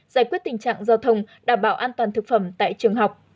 giải quyết tình trạng giao thông đảm bảo an toàn thực phẩm tại trường học